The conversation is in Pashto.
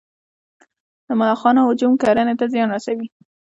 د ملخانو هجوم کرنې ته زیان رسوي